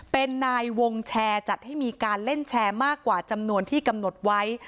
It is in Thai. เป็นนายวงแชร์จัดให้มีการเล่นแชร์มากกว่าจำนวนที่กำหนดไว้